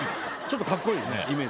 ちょっとかっこいいね。